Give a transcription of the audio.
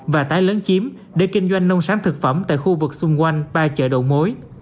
và tái lấn chiếm để kinh doanh nông sản thực phẩm tại khu vực xung quanh ba chợ đầu mối